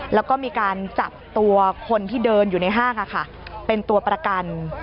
แล้วก็มีการจับตัวคนที่เดินอยู่ในห้างเป็นตัวประกัน